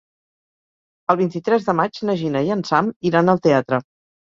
El vint-i-tres de maig na Gina i en Sam iran al teatre.